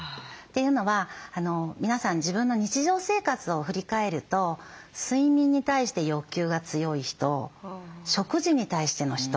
というのは皆さん自分の日常生活を振り返ると睡眠に対して欲求が強い人食事に対しての人